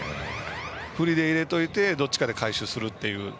振りで入れておいてどっちかで回収するという。